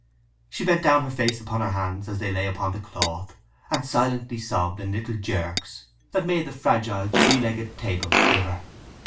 She bent down her face upon her hands as they lay upon the cloth, and silently sobbed in little jerks that made the fragile three legged table quiver.